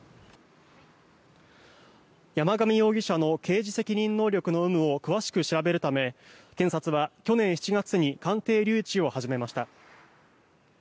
山上容疑者の刑事責任能力の有無を詳しく調べるため検察は去年７月に鑑定留置を始めました。